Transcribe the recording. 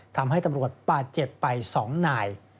ทำให้ตำรวจบาดเจ็บไป๒นาย